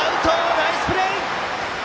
ナイスプレー！